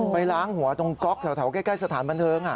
ไปล้างหัวตรงก๊อกแถวใกล้สถานบันเทิง